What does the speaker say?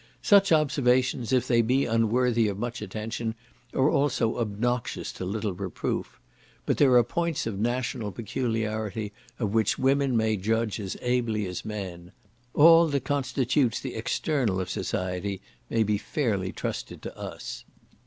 Such observations, if they be unworthy of much attention, are also obnoxious to little reproof: but there are points of national peculiarity of which women may judge as ably as men,—all that constitutes the external of society may be fairly trusted to us.